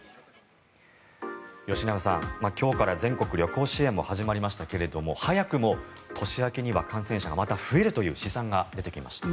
吉永さん、今日から全国旅行支援も始まりましたが早くも年明けには感染者が増えるという試算が出てきました。